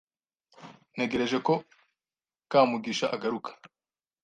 Ntegereje ko Kamugisha agaruka.